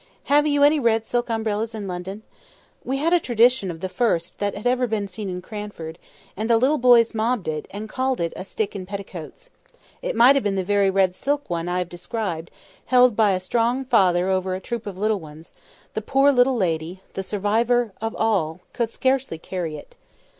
Have you any red silk umbrellas in London? We had a tradition of the first that had ever been seen in Cranford; and the little boys mobbed it, and called it "a stick in petticoats." It might have been the very red silk one I have described, held by a strong father over a troop of little ones; the poor little lady—the survivor of all—could scarcely carry it.